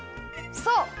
そう。